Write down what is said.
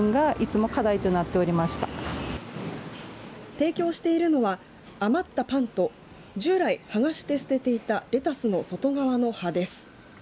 提供しているのは余ったパンと従来、はがして捨てていたレタスの外側の葉です。